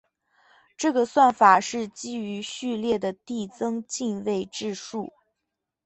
这个算法是基于序列的递增进位制数。